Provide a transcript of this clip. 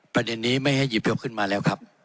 ประเด็นนี้ไม่ให้หยิบยกขึ้นมาแล้วครับ